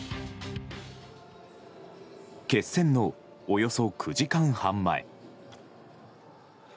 決戦の、およそ９時間半前。